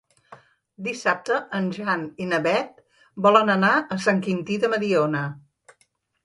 Dissabte en Jan i na Beth volen anar a Sant Quintí de Mediona.